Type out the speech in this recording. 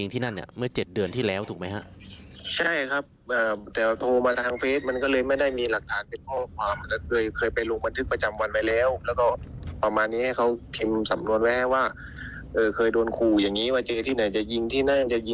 แต่กลายเป็นว่าโดนยิงเฉยเลย